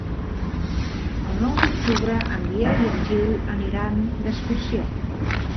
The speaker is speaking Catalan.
El nou d'octubre en Biel i en Gil aniran d'excursió.